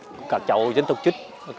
của các cháu dân tộc chất